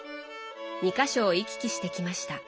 ２か所を行き来してきました。